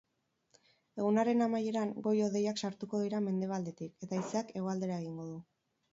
Egunaren amaieran, goi-hodeiak sartuko dira mendebaldetik, eta haizeak hegoaldera egingo du.